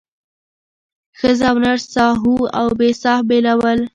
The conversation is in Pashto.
ښځه او نر ساهو او بې ساه بېلول